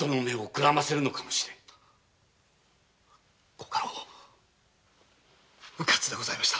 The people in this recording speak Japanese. ご家老ウカツでございました。